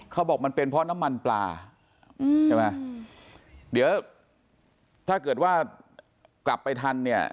เขาบอกมันเป็นเพราะน้ำมันปลาอืมใช่ไหมเดี๋ยวถ้าเกิดว่ากลับไปทันเนี่ย